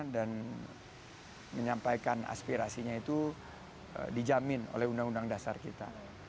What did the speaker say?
dan menyampaikan aspirasinya itu dijamin oleh undang undang dasar kita